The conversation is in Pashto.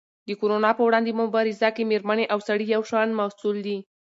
د کرونا په وړاندې مبارزه کې مېرمنې او سړي یو شان مسؤل دي.